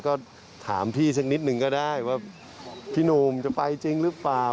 ก็ถามพี่สักนิดหนึ่งก็ได้ว่าพี่หนุ่มจะไปจริงหรือเปล่า